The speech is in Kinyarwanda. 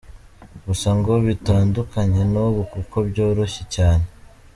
Gusa ngo bitandukanye n’ubu kuko byaroroshye cyane.